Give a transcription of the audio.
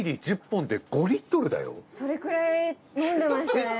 それくらい飲んでましたね。